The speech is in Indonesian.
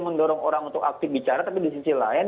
mendorong orang untuk aktif bicara tapi di sisi lain